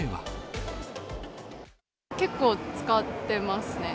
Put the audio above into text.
結構、使ってますね。